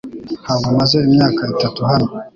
Ntabwo maze imyaka itatu hano